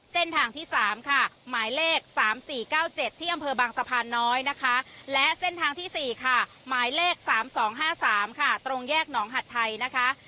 เส้นทางที่สามค่ะหมายเลขสามสี่เก้าเจ็ดที่อำเภอบางสะพานน้อยนะคะและเส้นทางที่สี่ค่ะหมายเลขสามสองห้าสามค่ะตรงแยกหนองหัดไทยนะคะ